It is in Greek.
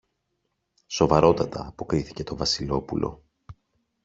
Σοβαρότατα, αποκρίθηκε το Βασιλόπουλο.